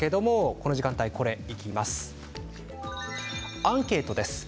この時間ではアンケートです。